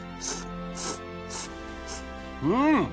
うん！